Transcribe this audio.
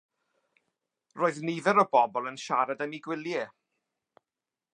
Roedd nifer o bobl yn siarad am eu gwyliau.